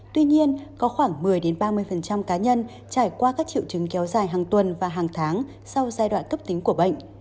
tuy nhiên có khoảng một mươi ba mươi cá nhân trải qua các triệu chứng kéo dài hàng tuần và hàng tháng sau giai đoạn cấp tính của bệnh